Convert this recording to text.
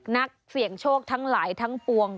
นักเสี่ยงโชคทั้งหลายทั้งปวง